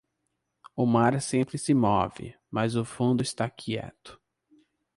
O mar sempre se move, mas o fundo está quieto.